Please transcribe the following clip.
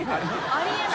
あり得ない。